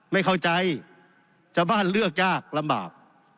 ไม่เข้าใจชาวบ้านเลือกยากลำบาก